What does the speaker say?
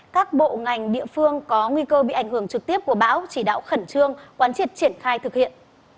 các bộ ngành địa phương có nguy cơ bị ảnh hưởng trực tiếp của bão chỉ đạo khẩn trương quán triệt triển khai thực hiện